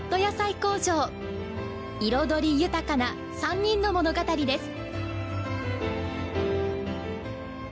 彩り豊かな３人の物語です。